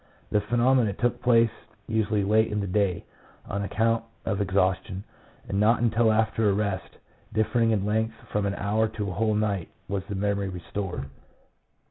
The phenomenon took place usually late in the day, on account of exhaustion, and not until after a rest differing in length from an hour to a whole night, was the memory restored.